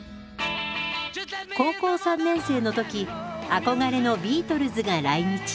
高校３年生の時憧れのビートルズが来日。